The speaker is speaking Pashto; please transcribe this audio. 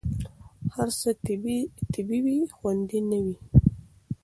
هر څه طبیعي وي، خوندي نه وي.